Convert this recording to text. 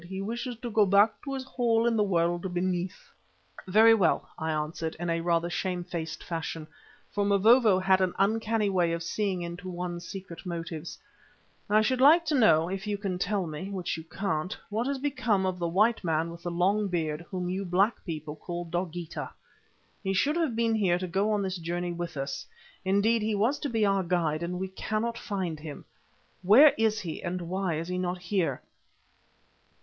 He wishes to go back to his hole in the world beneath." "Well, then," I answered in rather a shamefaced fashion, for Mavovo had an uncanny way of seeing into one's secret motives, "I should like to know, if you can tell me, which you can't, what has become of the white man with the long beard whom you black people call Dogeetah? He should have been here to go on this journey with us; indeed, he was to be our guide and we cannot find him. Where is he and why is he not here?"